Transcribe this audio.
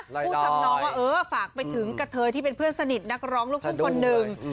พูดทำนองว่าเออฝากไปถึงกะเทยที่เป็นเพื่อนสนิทนักร้องลูกทุ่งคนหนึ่ง